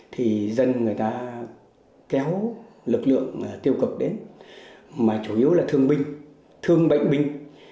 thì dân người ta kéo lực lượng tiêu cực đến mà chủ yếu là thương binh thương bệnh binh